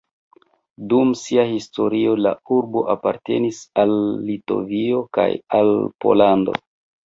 Dum sia historio la urbo apartenis al Litovio kaj al Pollando.